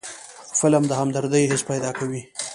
فلم د همدردۍ حس پیدا کوي